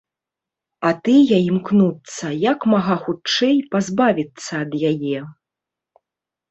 А тыя імкнуцца як мага хутчэй пазбавіцца ад яе.